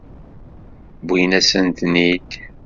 Wwin-asent-ten-id.